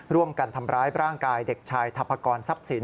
ร่วมกันทำร้ายร่างกายเด็กชายทัพกรทรัพย์สิน